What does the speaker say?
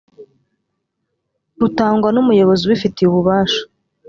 rutangwa n umuyobozi ubifitiye ububasha